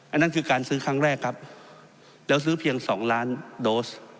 อันนั้นคือการซื้อครั้งแรกครับแล้วซื้อเพียง๒ล้านโดส